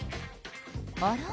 あら？